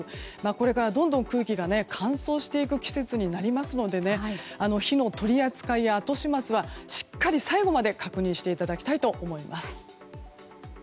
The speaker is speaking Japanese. これからどんどん空気が乾燥していく季節になりますので火の取り扱いや後始末はしっかり最後まで確認していただきたいと思います。